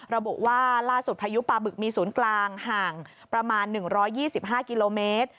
ระบุว่าล่าสุดพายุปลาบึกมีศูนย์กลางห่างประมาณ๑๒๕กิโลเมตร